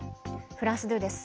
フランス２です。